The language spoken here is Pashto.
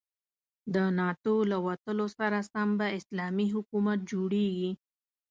د ناتو له وتلو سره سم به اسلامي حکومت جوړيږي.